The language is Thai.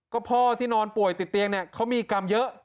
ก็พ่อที่นอนป่วยติดเตียงเนี่ยเขามีกรรมเยอะ